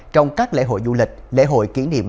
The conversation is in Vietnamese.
trong các lễ hội du lịch lễ hội kỷ niệm